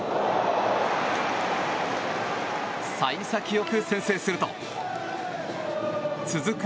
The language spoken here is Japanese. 幸先よく先制すると続く